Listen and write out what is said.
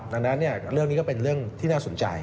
ดังนั้นเรื่องนี้ก็เป็นเรื่องที่น่าสนใจ